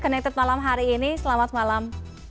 connected malam hari ini selamat malam